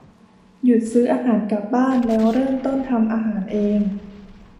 หยุดซื้ออาหารกลับบ้านแล้วเริ่มต้นทำอาหารเอง